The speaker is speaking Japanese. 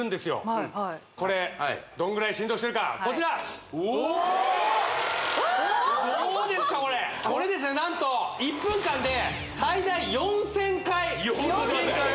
はいはいこれどのぐらい振動してるかこちらおおおおどうですかこれこれですね何と１分間で最大４０００回振動します